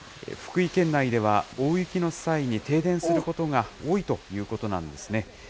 福井県内では大雪の際に停電することが多いということなんですね。